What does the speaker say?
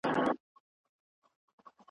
دونه پوچ کلمات `